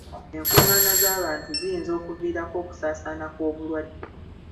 Enkungaana z'abantu ziyinza okuviirako okusaasaana kw'obulwadde.